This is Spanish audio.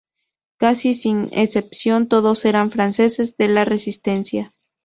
Casi sin excepción todos eran franceses de la Resistencia"".